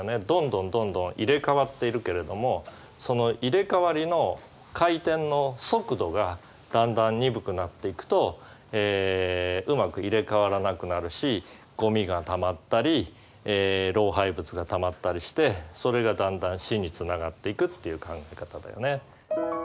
どんどんどんどん入れ替わっているけれどもその入れ替わりの回転の速度がだんだん鈍くなっていくとうまく入れ替わらなくなるしごみがたまったり老廃物がたまったりしてそれがだんだん死につながっていくっていう考え方だよね。